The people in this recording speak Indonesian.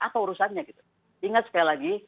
apa urusannya gitu ingat sekali lagi